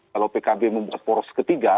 kalau pkb membuat poros ketiga